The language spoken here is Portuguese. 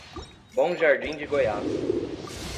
Bom Jardim de Goiás